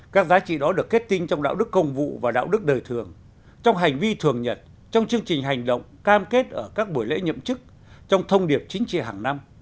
các giá trị đó được kết tinh trong đạo đức công vụ và đạo đức đời thường trong hành vi thường nhật trong chương trình hành động cam kết ở các buổi lễ nhậm chức trong thông điệp chính trị hàng năm